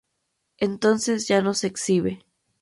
Entonces ya no se exhibe.